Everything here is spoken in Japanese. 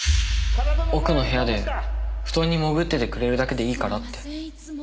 奥の部屋で布団に潜っててくれるだけでいいからって。